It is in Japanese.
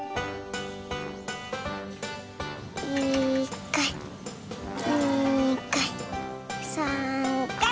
１かい２かい３かい！